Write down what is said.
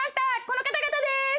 この方々です！